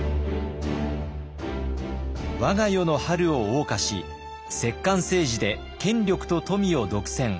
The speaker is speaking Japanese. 我が世の春をおう歌し摂関政治で権力と富を独占。